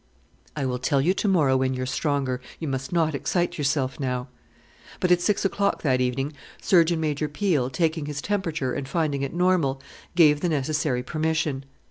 "I will tell you to morrow when you are stronger. You must not excite yourself now." But at six o'clock that evening Surgeon Major Peel, taking his temperature and finding it normal, gave the necessary permission.